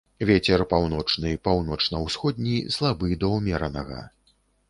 Вецер паўночны, паўночна-ўсходні, слабы да ўмеранага.